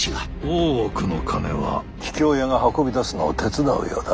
大奥の金は桔梗屋が運び出すのを手伝うようだ。